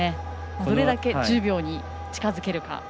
どれだけ１０秒に近づけるか。